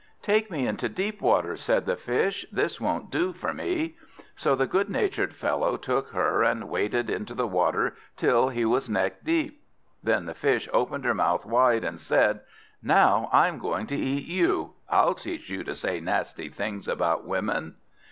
"Take me into deep water," said the Fish; "this won't do for me." So the good natured fellow took her and waded into the water till he was neck deep. Then the Fish opened her mouth wide, and said "Now I'm going to eat you! I'll teach you to say nasty things about women."